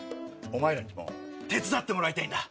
お前らにも手伝ってもらいたいんだ！